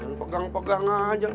jangan pegang pegang aja